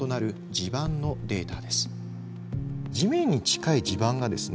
地面に近い地盤がですね